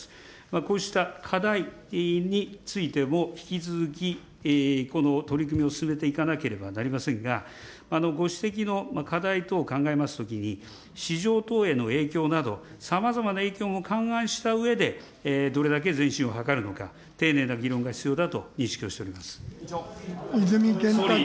こうした課題についても引き続き、この取り組みを進めていかなければなりませんが、ご指摘の課題等を考えますときに、市場等への影響など、さまざまな影響も勘案したうえで、どれだけ前進を図るのか、丁寧な議論が必要だと認識をしておりま泉健太君。